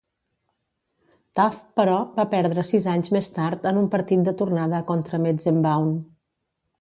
Taft, però, va perdre sis anys més tard en un partit de tornada contra Metzenbaum.